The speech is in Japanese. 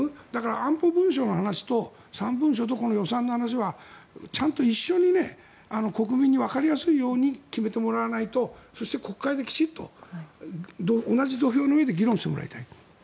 安保文書の話と３文書と予算の話は一緒に国民にわかりやすいように決めてもらわないとそして国会できちんと同じ土俵の上で議論してもらいたい。